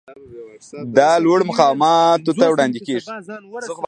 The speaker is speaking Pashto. دا لوړو مقاماتو ته وړاندې کیږي.